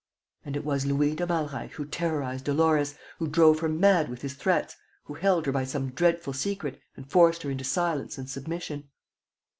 And it was Louis de Malreich who terrorized Dolores, who drove her mad with his threats, who held her by some dreadful secret and forced her into silence and submission.